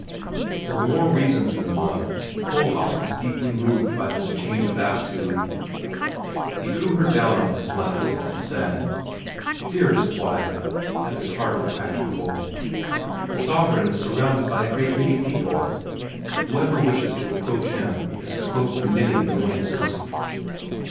For more reasons than one Kohlhaas was deeply moved by this change of attitude. He drew her down on his lap, and said, "Dearest wife, that is hardly practicable. The sovereign is surrounded by a great many people; whoever wishes to approach him is exposed to many annoyances."